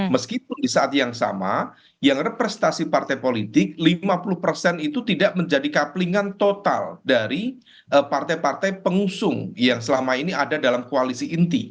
meskipun di saat yang sama yang representasi partai politik lima puluh persen itu tidak menjadi kaplingan total dari partai partai pengusung yang selama ini ada dalam koalisi inti